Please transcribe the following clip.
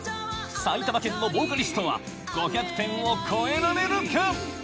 埼玉県のボーカリストは５００点を超えられるか？